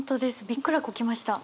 びっくらこきました。